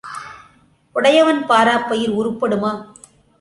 உடையவன் பாராப் பயிர் உருப்படுமா?